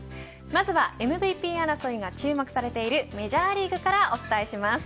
まずはＭＶＰ争いが注目されているメジャーリーグからお伝えします。